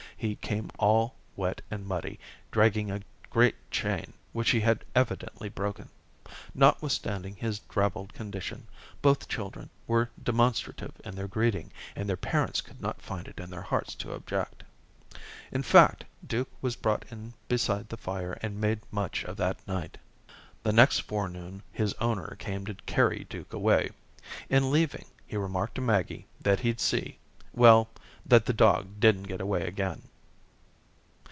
He came all wet and muddy, dragging a great chain which he had evidently broken. Notwithstanding his drabbled condition, both children were demonstrative in their greeting, and their parents could not find it in their hearts to object. In fact, Duke was brought in beside the fire and made much of that night. The next forenoon his owner came to carry Duke away. In leaving, he remarked to Maggie that he'd see well, that the dog didn't get away again.